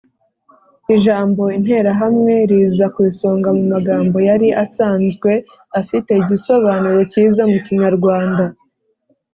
Ijambo”Interahamwe” riza ku isonga mu magambo yari asanzwe afite igisobanuro cyiza mu Kinyarwanda,